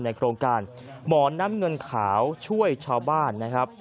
โครงการหมอนน้ำเงินขาวช่วยชาวบ้านนะครับ